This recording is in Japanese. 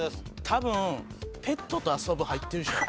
多分ペットと遊ぶ入ってるでしょ。